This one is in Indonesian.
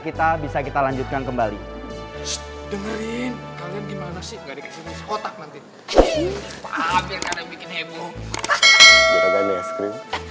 kita bisa kita lanjutkan kembali dengerin kalian gimana sih otak nanti